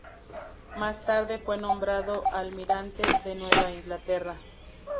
Más tarde fue nombrado almirante de Nueva Inglaterra.